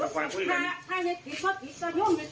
ถึงว่าฮะประจัดใกล้ภารกิจก็ได้แล้วเนี่ย